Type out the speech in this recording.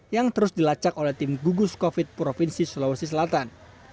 yang terus dilacak oleh tim gugus covid provinsi sulawesi selatan